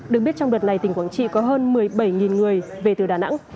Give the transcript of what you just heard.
được biết trong đợt này tỉnh quảng trị có hơn một mươi bảy người về từ đà nẵng